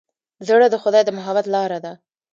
زړه د خدای د محبت لاره ده.